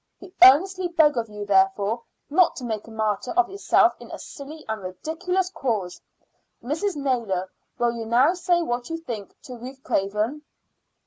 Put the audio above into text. We earnestly beg of you, therefore; not to make a martyr of yourself in a silly and ridiculous cause. Mrs. Naylor, will you now say what you think to Ruth Craven?"